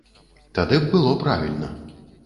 Тады б было правільна.